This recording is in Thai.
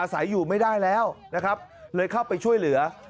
ใส่อยู่ไม่ได้แล้วนะครับเลยเข้าไปช่วยเหลือ